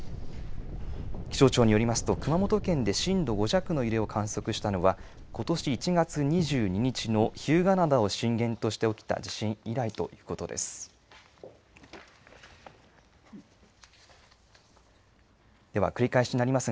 気象庁によりますと熊本県で震度５弱の揺れを観測したのは、ことし１月２２日の日向灘を震源として起きた地震以来ということです。